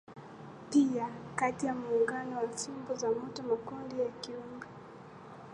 Pia kati ya muungano wa fimbo za moto makundi ya kiumri